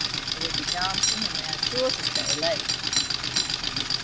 There will be dancing, and they are sure to stay late.'